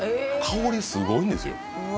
香りすごいんですよ